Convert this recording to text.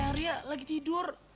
eh arya lagi tidur